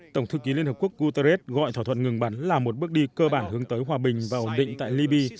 tổng thư ký liên hợp quốc guterres gọi thỏa thuận ngừng bắn là một bước đi cơ bản hướng tới hòa bình và ổn định tại libya